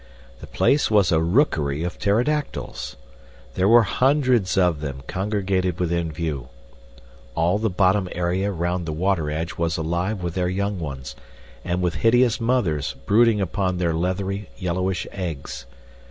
The place was a rookery of pterodactyls. There were hundreds of them congregated within view. All the bottom area round the water edge was alive with their young ones, and with hideous mothers brooding upon their leathery, yellowish eggs.